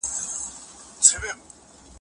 سترګې مې له اوښکو څخه ډکې وي